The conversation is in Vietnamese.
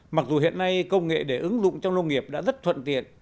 mặc dù hiện nay công nghệ để ứng dụng trong nông nghiệp đã rất thuận tiện